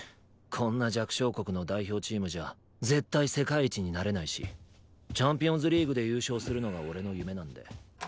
こんな弱小国の代表チームじゃ絶対世界一になれないしチャンピオンズリーグで優勝するのが俺の夢なんで。